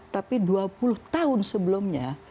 tapi dua puluh tahun sebelumnya